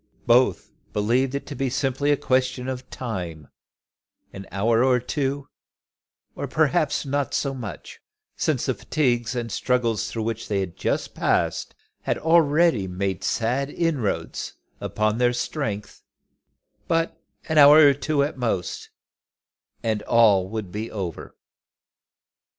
Both believed it to be simply a question of time; an hour or two, perhaps not so much, since the fatigues and struggles through which they had just passed had already made sad inroads upon their strength, but an hour or two at most, and all would be over.